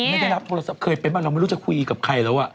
ไม่ได้รับโทรศัพท์เคยเป็นป่ะเราไม่รู้จะคุยกับใครแล้ว